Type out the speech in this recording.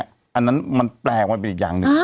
อันนั้นมันแปลงมาเป็นอีกอย่างหนึ่ง